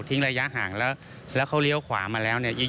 ระยะห่างแล้วแล้วเขาเลี้ยวขวามาแล้วเนี่ย